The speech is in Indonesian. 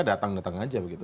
datang datang aja begitu